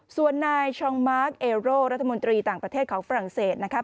ส่วนนายชองมาร์คเอโร่รัฐมนตรีต่างประเทศของฝรั่งเศสนะคะ